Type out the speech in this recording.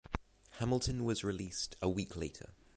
Hamilton was released a week later.